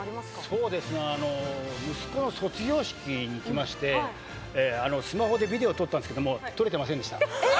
そうですね、息子の卒業式に行きまして、スマホでビデオ撮ったんですけれども、撮れてませんでした。